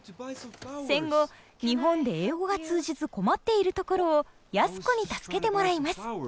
戦後日本で英語が通じず困っているところを安子に助けてもらいます。